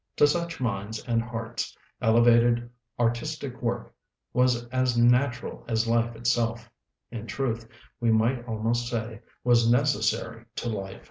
To such minds and hearts elevated artistic work was as natural as life itself; in truth, we might almost say, was necessary to life.